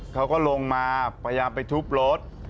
เขาก็ลงมาพยายามไปทุบรถ